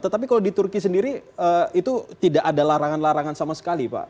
tetapi kalau di turki sendiri itu tidak ada larangan larangan sama sekali pak